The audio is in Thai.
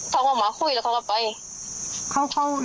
เข้ามามาคุยแล้วเข้ากลับไป